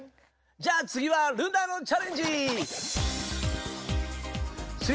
じゃあつぎはルナのチャレンジ！